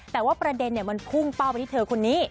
แต่ว่าประเด็นมันพุ่งเป้าไปที่เธอคนนี้